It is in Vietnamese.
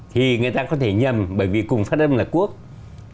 thì người ta có thể nhầm bởi vì cùng phát âm là thuốc